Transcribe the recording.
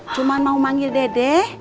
cuman mau manggil dede